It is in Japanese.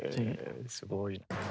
すごい。